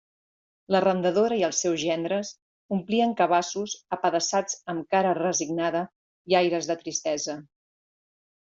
L'arrendadora i els seus gendres omplien cabassos apedaçats amb cara resignada i aires de tristesa.